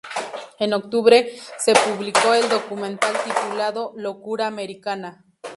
En octubre, se publicó el documental titulado "Locura Americana".